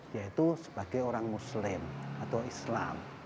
yaitu sebagai orang muslim atau islam